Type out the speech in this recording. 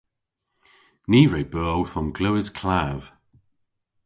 Ni re beu owth omglewas klav.